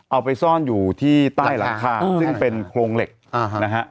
เอาไปซ่อนอยู่ที่ใต้หลังคาซึ่งเป็นโครงเหล็กนะฮะ